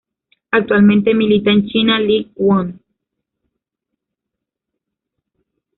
Actualmente milita en la China League One.